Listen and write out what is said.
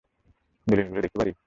দলীলগুলো দেখতে পারি?